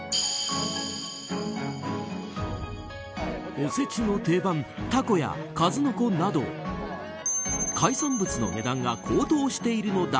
おせちの定番タコや数の子など海産物の値段が高騰しているのだ。